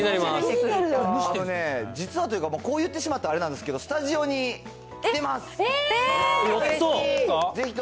あのね、実はというか、こう言ってしまったらあれなんですけど、スタジオに来てます。